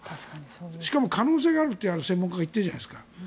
しかも、可能性があると専門家が言っているじゃないですか。